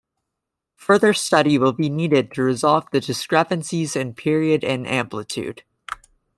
Further study will be needed to resolve the discrepancies in period and amplitude.